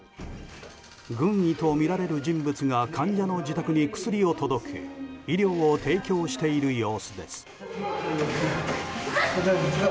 軍医とみられる人物が患者の自宅に薬を届け医療を提供している様子です。